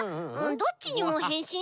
どっちにもへんしん？